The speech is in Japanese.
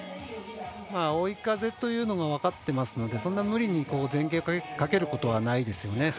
追い風というのが分かってますのでそんな無理に前傾かけることはないですよね。